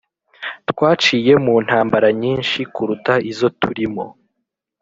Twaciye mu ntambara nyinshi kuruta izo turimo